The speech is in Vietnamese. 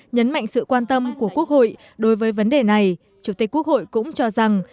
nhấn mạnh sự quan tâm của quốc hội đối với vấn đề này chủ tịch quốc hội cũng cho rằng